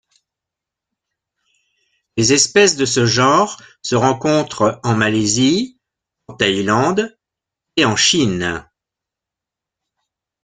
Les espèces de ce genre se rencontrent en Malaisie, en Thaïlande et en Chine.